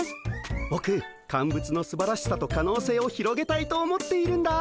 ぼく乾物のすばらしさとかのうせいを広げたいと思っているんだ。